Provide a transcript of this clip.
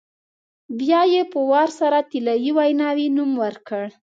بیا یې په وار سره طلایي ویناوی نوم ورکړ.